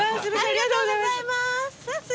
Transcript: ありがとうございます。